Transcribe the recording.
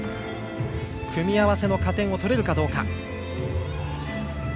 組み合わせの加点を取れるかどうか。